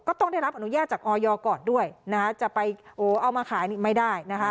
ก็ต้องได้รับอนุญาตจากออยก่อนด้วยจะไปเอามาขายไม่ได้